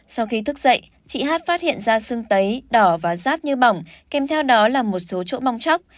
sau khi thức dậy chị hát phát hiện ra sưng tấy đỏ và rát như bỏng kèm theo đó là một số chỗ bong chóc